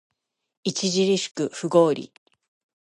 著しく不合理